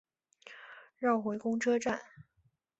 绕回公车站